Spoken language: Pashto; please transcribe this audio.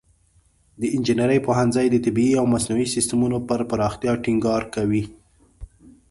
د انجینري پوهنځی د طبیعي او مصنوعي سیستمونو پر پراختیا ټینګار کوي.